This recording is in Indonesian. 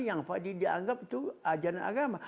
yang dianggap itu ajaran agama